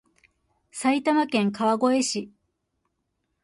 埼玉県川越市